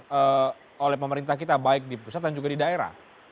dan oleh pemerintah kita baik di pusat dan juga di daerah